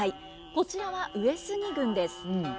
こちらは上杉軍です。